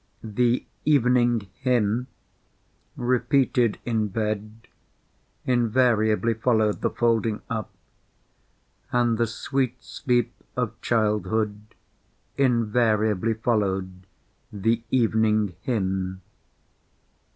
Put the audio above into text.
The "Evening Hymn" (repeated in bed) invariably followed the folding up. And the sweet sleep of childhood invariably followed the "Evening Hymn."